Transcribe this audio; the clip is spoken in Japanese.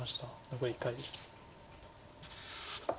残り１回です。